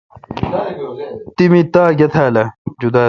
تی می تاء گہ تال ۔